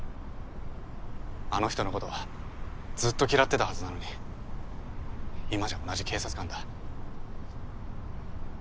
あの人のことずっと嫌ってたはずなのに今じゃ同じ警察官だ。